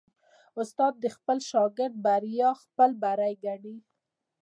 استاد د خپل شاګرد بریا خپل بری ګڼي.